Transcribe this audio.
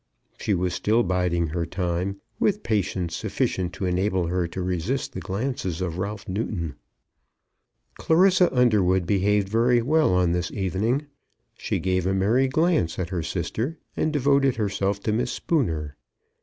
She was still biding her time, with patience sufficient to enable her to resist the glances of Ralph Newton. Clarissa Underwood behaved very well on this evening. She gave a merry glance at her sister, and devoted herself to Miss Spooner.